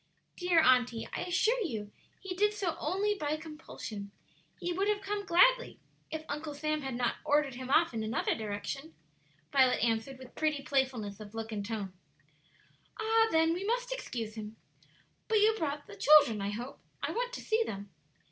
"Dear auntie, I assure you he did so only by compulsion; he would have come gladly if Uncle Sam had not ordered him off in another direction," Violet answered, with pretty playfulness of look and tone. "Ah, then, we must excuse him. But you brought the children, I hope. I want to see them."